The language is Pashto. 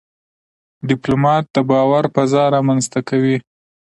ډيپلومات د باور فضا رامنځته کوي.